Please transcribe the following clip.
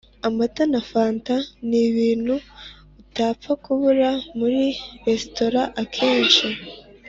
Amata na fanta nibintu utapfa kubura muri restaurant akenshi